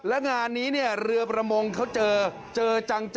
แล้วงานนี้เนี่ยเรือประมงเจอจังต่อหน้าต่อตา